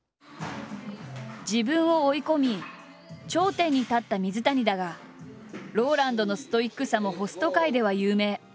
自分を追い込み頂点に立った水谷だがＲＯＬＡＮＤのストイックさもホスト界では有名。